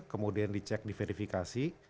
kemudian dicek diverifikasi